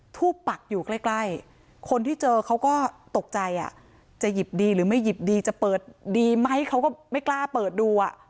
ทูบปักอยู่ใกล้คนที่เจอเขาก็ตกใจจะหยิบดีหรือไม่หยิบดีจะเปิดดีไหมเขาก็ไม่กล้าเปิดดู